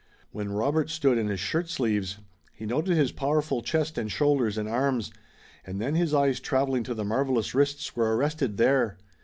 When Robert stood in his shirt sleeves he noted his powerful chest and shoulders and arms, and then his eyes traveling to the marvelous wrists were arrested there.